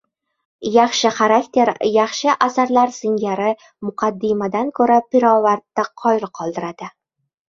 Yaxshi xarakter yaxshi asarlar singari muqaddimadan ko‘ra pirovardda qoyil qoldiradi.